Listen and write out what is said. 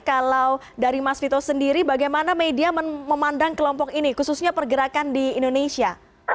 kalau dari mas vito sendiri bagaimana media memandang kelompok ini khususnya pergerakan di indonesia